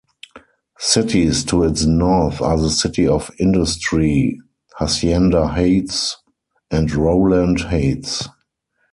Cities to its north are the City of Industry, Hacienda Heights, and Rowland Heights.